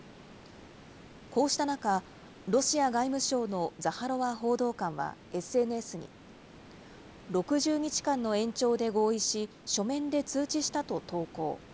こうした中、ロシア外務省のザハロワ報道官はＳＮＳに、６０日間の延長で合意し、書面で通知したと投稿。